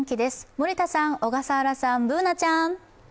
森田さん、小笠原さん、Ｂｏｏｎａちゃん